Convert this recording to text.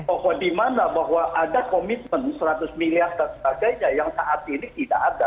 oh dimana bahwa ada komitmen seratus miliar dan sebagainya yang saat ini tidak ada